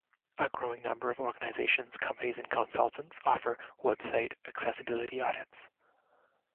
A growing number of organizations, companies and consultants offer "website accessibility audits".